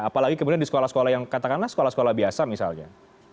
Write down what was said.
apalagi kemudian di sekolah sekolah yang katakanlah sekolah sekolah biasa misalnya